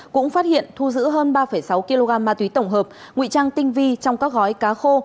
cũng phát hiện thu giữ hơn ba sáu kg ma túy tổng hợp nguy trang tinh vi trong các gói cá khô